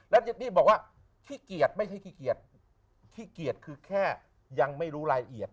เจนี่บอกว่าขี้เกียจไม่ใช่ขี้เกียจขี้เกียจคือแค่ยังไม่รู้รายละเอียด